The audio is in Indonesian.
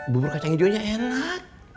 bumbur kacang hijaunya enak